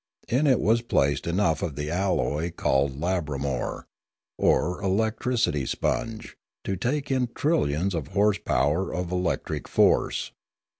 In it was placed enough of the alloy called labramor, or electricity sponge, to take in trillions of horse power of electric force.